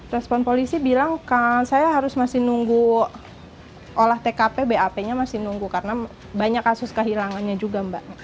respon polisi bilang saya harus masih nunggu olah tkp bap nya masih nunggu karena banyak kasus kehilangannya juga mbak